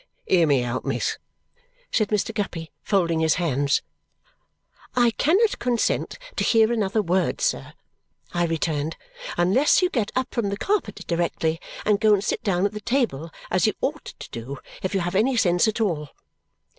"Hear me out, miss!" said Mr. Guppy, folding his hands. "I cannot consent to hear another word, sir," I returned, "Unless you get up from the carpet directly and go and sit down at the table as you ought to do if you have any sense at all."